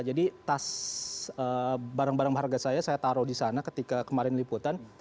jadi tas barang barang harga saya saya taruh di sana ketika kemarin liputan